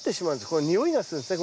これにおいがするんですね